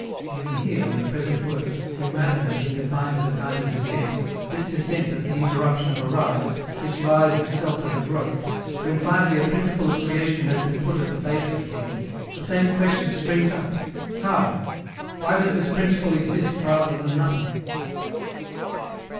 Even here, in the present work, when matter has been defined as a kind of descent, this descent as the interruption of a rise, this rise itself as a growth, when finally a Principle of creation has been put at the base of things, the same question springs up: How why does this principle exist rather than nothing?